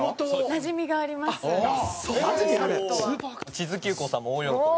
智頭急行さんも大喜び。